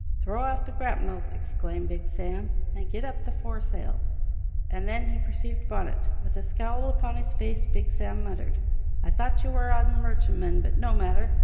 "Throw off the grapnels," exclaimed Big Sam, "and get up the foresel!" And then he perceived Bonnet. With a scowl upon his face Big Sam muttered: "I thought you were on the merchantman, but no matter.